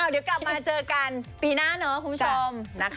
เดี๋ยวกลับมาเจอกันปีหน้าเนาะคุณผู้ชมนะคะ